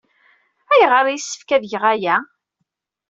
Ayɣer ay yessefk ad geɣ aya?